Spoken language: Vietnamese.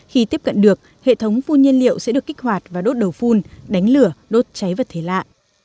khi tiếp cận được hệ thống phun nhiên liệu sẽ được kích hoạt và đốt đầu phun đánh lửa đốt cháy vật thể lạ